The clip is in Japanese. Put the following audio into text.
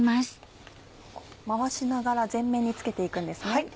回しながら全面に付けて行くんですね？